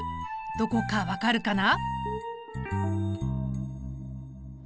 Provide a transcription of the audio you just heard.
どこか分かるかな？